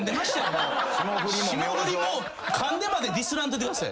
「霜降り」もかんでまでディスらんといてください。